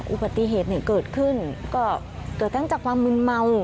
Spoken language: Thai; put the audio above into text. อุบัติเหตุเนี่ยเกิดขึ้นก็เกิดทั้งจากความมืนเมา